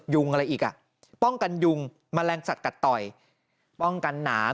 ยุงอะไรอีกอ่ะป้องกันยุงแมลงสัตวกัดต่อยป้องกันหนา